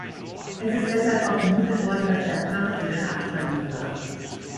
Es ist deshalb auch vermutet worden, dass er parthischer Abstammung war.